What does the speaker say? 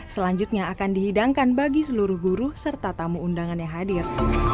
selanjutnya akan dihidangkan bagi seluruh guru serta tamu undangan yang hadir